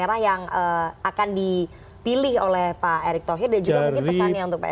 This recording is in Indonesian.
yang yang merah yang akan dipilih oleh pak erik thohir dan juga mungkin pesannya untuk pak erik